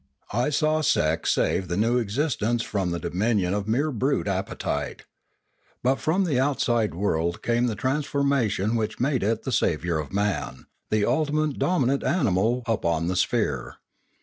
I saw sex save the new existence from the dominion of mere brute appetite. But from outside the world came the trans formation which made it the saviour of man, the ul timately dominant animal upon the sphere.